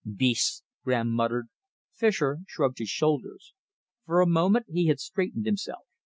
"Beasts!" Graham muttered. Fischer shrugged his shoulders. For a moment he had straightened himself.